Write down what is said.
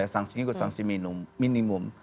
sangsi ini juga sangsi minimum